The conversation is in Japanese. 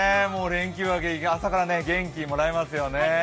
連休明け朝から元気もらいますよね。